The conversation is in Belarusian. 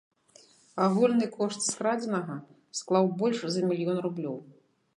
Агульны кошт скрадзенага склаў больш за мільён рублёў.